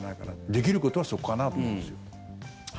できることはそこかなと思うんですよ。